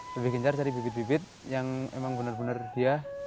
lebih gencar cari bibit bibit yang emang bener bener dia